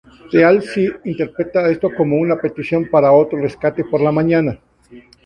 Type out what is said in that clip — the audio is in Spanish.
Teal'c interpreta esto como una petición para otro rescate por la mañana.